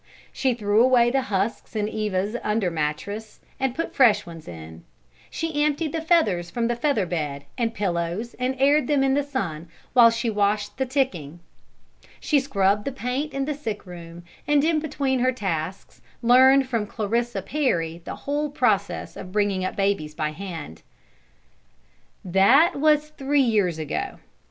She threw away the husks in Eva's under mattress and put fresh ones in; she emptied the feathers from the feather bed and pillows and aired them in the sun while she washed the ticking; she scrubbed the paint in the sick room, and in between her tasks learned from Clarissa Perry the whole process of bringing up babies by hand. That was three years ago.